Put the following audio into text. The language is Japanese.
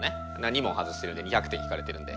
２問外してるんで２００点引かれてるんで。